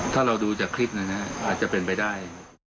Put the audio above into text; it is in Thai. ถ้าเราดูจากคลิปนั้นอาจจะเป็นไปได้